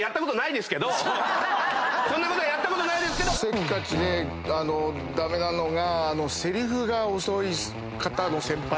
せっかちで駄目なのが。